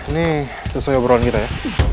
ini sesuai obrolan kita ya